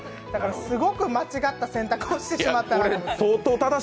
だからすごく間違った選択をしてしまったなと。